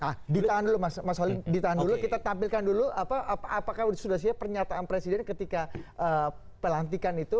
nah ditahan dulu mas wale kita tampilkan dulu apakah sudah pernyataan presiden ketika pelantikan itu